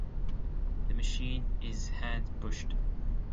The machine is hand pushed.